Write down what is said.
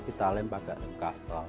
ditalem pakai kastrol